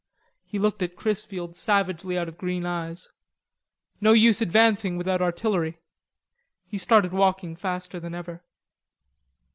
He looked at Chrisfield savagely out of green eyes. "No use advancing without artillery." He started walking faster than ever.